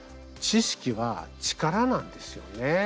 知識は力なんですよね。